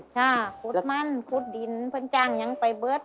ค่ะขุดมั่นขุดดินเพื่อนจ้างยังไปเบิร์ด